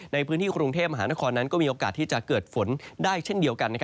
ในพื้นที่กรุงเทพมหานครนั้นก็มีโอกาสที่จะเกิดฝนได้เช่นเดียวกัน